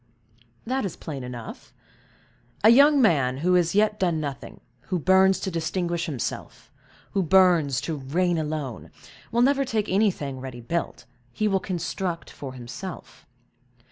"That is plain enough. A young man who has yet done nothing—who burns to distinguish himself—who burns to reign alone, will never take anything ready built, he will construct for himself.